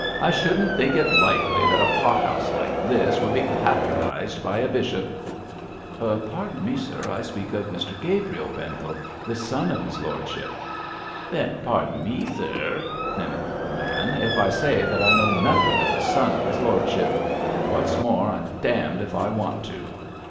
'I shouldn't think it likely that a pot house like this would be patronised by a bishop.' 'Pardon me, sir, I speak of Mr Gabriel Pendle, the son of his lordship.' 'Then pardon me, sir,' mimicked the man, 'if I say that I know nothing of the son of his lordship; and what's more, I'm d d if I want to.'